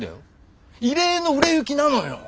異例の売れ行きなのよ。